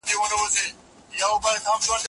د بوري تولید د خلکو ستونزي حل کړې.